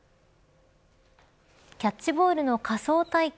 キャッチボールの仮想体験